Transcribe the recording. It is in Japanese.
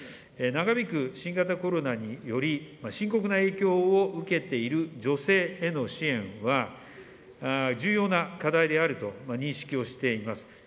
長引く新型コロナにより、深刻な影響を受けている女性への支援は、重要な課題であると認識をしています。